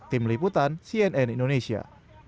tim liputan cnn indonesia